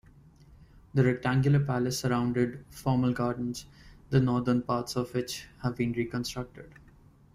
The rectangular palace surrounded formal gardens, the northern parts of which have been reconstructed.